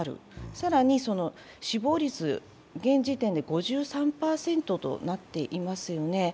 更に死亡率、現時点で５３％となっていますよね。